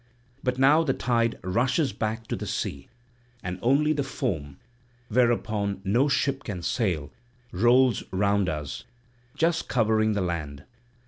But now the tide rushes back to the sea, and only the foam, whereon no ship can sail, rolls round us, just covering the land.